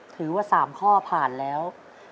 ถือว่า๓ข้อผ่านแล้ว